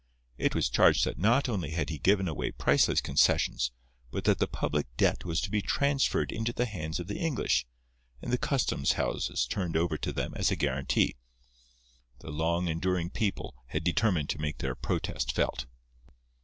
It was charged that not only had he given away priceless concessions, but that the public debt was to be transferred into the hands of the English, and the custom houses turned over to them as a guarantee. The long enduring people had determined to make their protest felt.